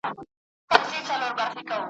خان له ډېره وخته خر او آس لرله ,